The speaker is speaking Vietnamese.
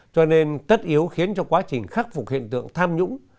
cho nên tất yếu khiến cho quá trình khắc phục hiện tượng tham nhũng